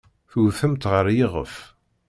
Tewtem-tt ɣer yiɣef.